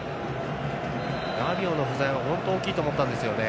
ラビオの不在は本当に大きいと思ったんですよね。